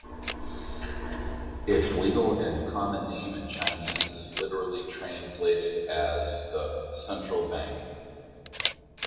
Its legal and common name in Chinese is literally translated as the "Central Bank".